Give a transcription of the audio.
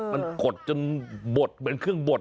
มันกดจนบดเหมือนเครื่องบด